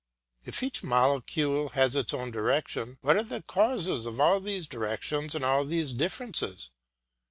If each molecule has its own direction, what are the causes of all these directions and all these differences?